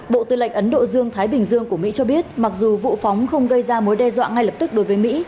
bộ tư lệnh ấn độ dương thái bình dương của mỹ cho biết mặc dù vụ phóng không gây ra mối đe dọa ngay lập tức đối với mỹ